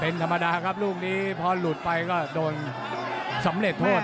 เป็นธรรมดาครับลูกนี้พอหลุดไปก็โดนสำเร็จโทษ